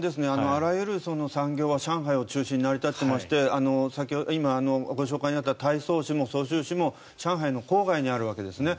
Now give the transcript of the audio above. あらゆる産業は上海を中心に成り立っていまして今ご紹介にあった太倉市も蘇州市も上海の郊外にあるわけですよね。